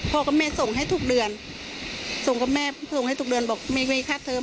กับแม่ส่งให้ทุกเดือนส่งกับแม่ส่งให้ทุกเดือนบอกไม่มีค่าเทิม